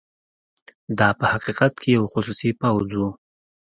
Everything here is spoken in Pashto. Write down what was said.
دا په حقیقت کې یو خصوصي پوځ وو.